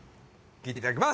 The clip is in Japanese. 聴いていただきます。